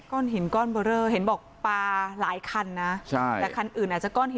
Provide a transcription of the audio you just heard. หินก้อนเบอร์เรอเห็นบอกปลาหลายคันนะใช่แต่คันอื่นอาจจะก้อนหิน